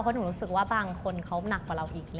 เพราะหนูรู้สึกว่าบางคนเขาหนักกว่าเราอีก